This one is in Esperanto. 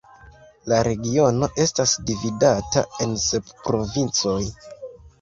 La regiono estas dividata en sep provincoj.